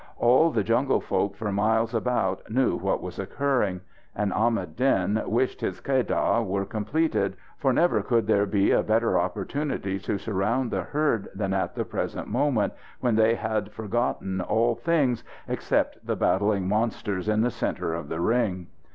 All the jungle folk for miles about knew what was occurring. And Ahmad Din wished his keddah were completed, for never could there be a better opportunity to surround the herd than at the present moment, when they had forgotten all things except the battling monsters in the centre of the ring.